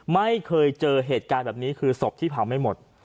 ไม่เคยเจอเหตุการณ์แบบนี้คือศพที่เผาไม่หมด